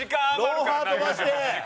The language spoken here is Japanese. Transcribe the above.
『ロンハー』飛ばして。